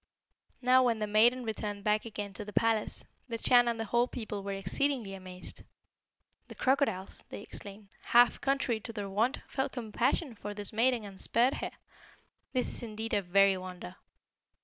"Now when the maiden returned back again to the palace, the Chan and the whole people were exceedingly amazed. 'The crocodiles,' they exclaimed, 'have, contrary to their wont, felt compassion for this maiden and spared her. This is indeed a very wonder.'